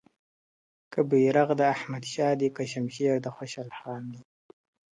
که بیرغ د احمدشاه دی که شمشېر د خوشحال خان دی !.